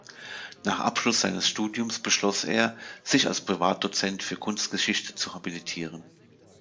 Nach Abschluss seines Studiums beschloss er, sich als Privatdozent für Kunstgeschichte zu habilitieren.